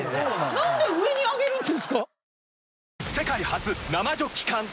何で上に上げるんですか？